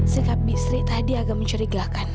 sikap bisri tadi agak mencurigakan